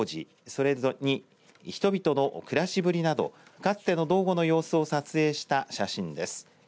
それに人々の暮らしぶりなどかつての道後の様子を撮影した写真です。